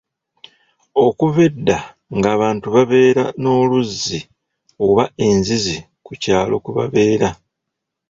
Okuva edda ng'abantu babeera n'oluzzi oba enzizi ku kyalo kwe babeera